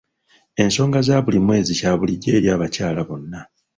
Ensonga za buli mwezi kya bulijjo eri abakyala bonna.